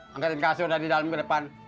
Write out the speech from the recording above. angkatin kasur dari dalam ke depan